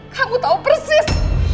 kamu tau persis